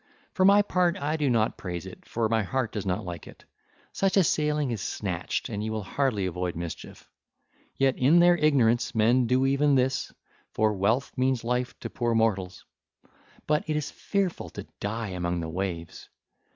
For my part I do not praise it, for my heart does not like it. Such a sailing is snatched, and you will hardly avoid mischief. Yet in their ignorance men do even this, for wealth means life to poor mortals; but it is fearful to die among the waves.